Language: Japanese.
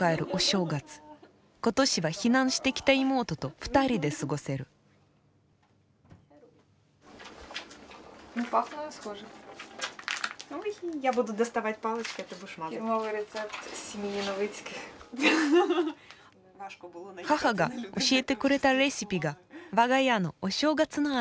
今年は避難してきた妹と２人で過ごせる母が教えてくれたレシピが我が家のお正月の味。